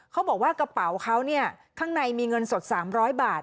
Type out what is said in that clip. เขาบอกว่ากระเป๋าเขาเนี่ยข้างในมีเงินสด๓๐๐บาท